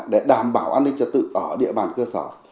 để đảm bảo an ninh trật tự ở địa bàn cơ sở